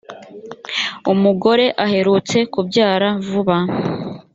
umugore aherutse kubyara vuba